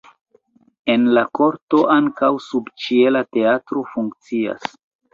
En la korto ankaŭ subĉiela teatro funkcias.